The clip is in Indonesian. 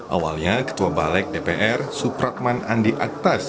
awalnya ketua balek dpr supratman andi aktas